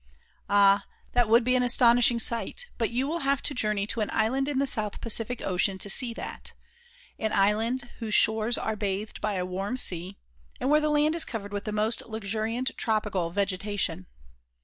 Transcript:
Ah, that would be an astonishing sight, but you will have to journey to an island in the South Pacific Ocean to see that; an island whose shores are bathed by a warm sea, and where the land is covered with the most luxuriant tropical vegetation.